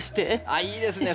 あっいいですね。